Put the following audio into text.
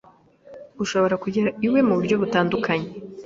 Urashobora kugera iwe muburyo butandukanye.